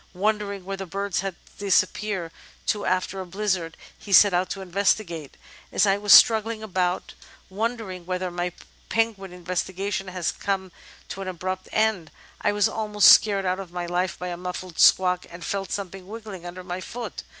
Wondering where the birds had disappeared to after a blizzard, he set out to investigate. "As I was struggling about, wondering whether my penguin investiga tions had come to an abrupt end, I was almost 'scared out of my life' by a muffled squawk, and felt something wriggling under my foot.